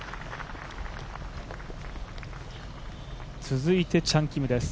続いてチャン・キムです。